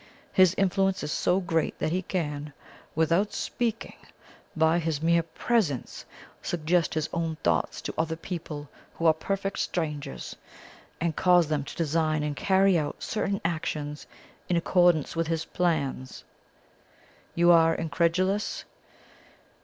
His influence is so great that he can, without speaking, by his mere presence suggest his own thoughts to other people who are perfect strangers, and cause them to design and carry out certain actions in accordance with his plans. You are incredulous?